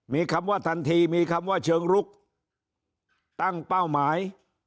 มีคำว่าทันทีมีคำว่าเชิงลุกตั้งเป้าหมาย